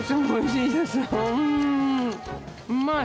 うまい！